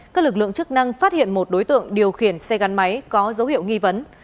các lực lượng chức năng phát hiện một đối tượng điều khiển xe gắn máy có dấu hiệu nghi vấn